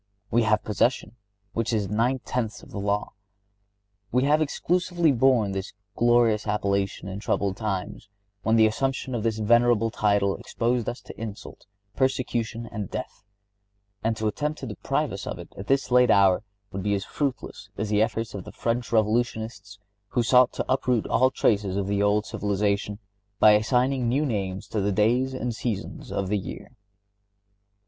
We have possession, which is nine tenths of the law. We have exclusively borne this glorious appellation in troubled times, when the assumption of this venerable title exposed us to insult, persecution and death; and to attempt to deprive us of it at this late hour, would be as fruitless as the efforts of the French Revolutionists who sought to uproot all traces of the old civilization by assigning new names to the days and seasons of the year.